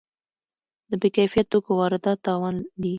د بې کیفیت توکو واردات تاوان دی.